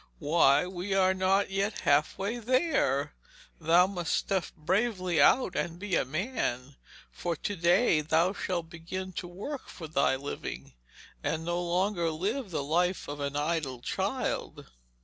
'Why, we are not yet half way there! Thou must step bravely out and be a man, for to day thou shalt begin to work for thy living, and no longer live the life of an idle child.'